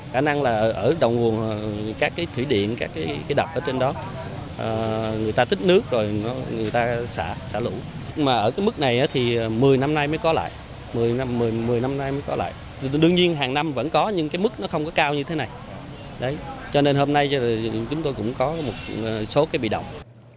cả năng là ở đồng nguồn các cái thủy điện các cái đập ở trên đó người ta tích nước rồi người ta xả lũ mà ở cái mức này thì một mươi năm nay mới có lại một mươi năm nay mới có lại đương nhiên hàng năm vẫn có nhưng cái mức nó không có cao như thế này cho nên hôm nay chúng tôi cũng có một số cái bị động